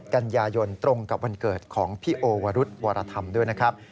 กันยายนตรงกับวันเกิดของพี่โอวรุธวรธรรมด้วยนะครับ